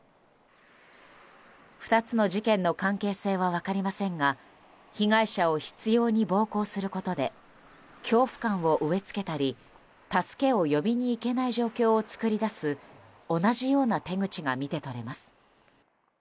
２つの事件の関係性は分かりませんが被害者を執拗に暴行することで恐怖感を植え付けたり助けを呼びに行けない状況を作り出す同じような手口が見て取れます。